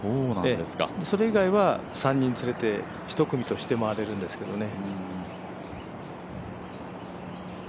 それ以外は３人連れて、１組として回れるんですけどね。